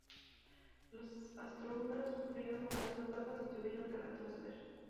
Los austrohúngaros sufrieron numerosas bajas y tuvieron que retroceder.